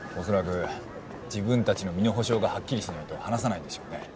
恐らく自分たちの身の保障がはっきりしないと話さないでしょうね。